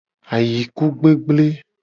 Ayikugbegble.